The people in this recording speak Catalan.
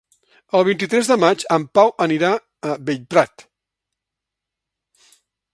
El vint-i-tres de maig en Pau anirà a Bellprat.